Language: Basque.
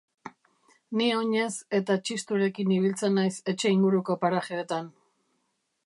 Ni oinez eta Txisturekin ibiltzen naiz etxe inguruko parajeetan.